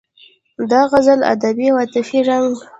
د غزل ادبي او عاطفي رنګ